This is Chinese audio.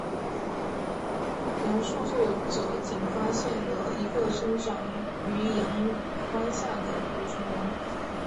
描述作者仅发现了一个生长于阳光下的捕虫笼。